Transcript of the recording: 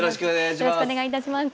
よろしくお願いします。